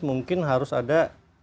mungkin harus ada